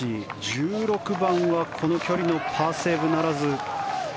１６番はこの距離のパーセーブならず。